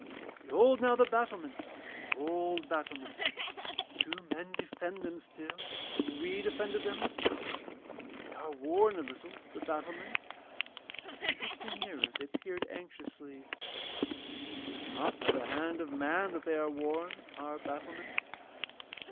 'Behold now the battlements, the old battlements. Do men defend them still as we defended them? They are worn a little, the battlements,' and drifting nearer they peered anxiously. 'It is not by the hand of man that they are worn, our battlements.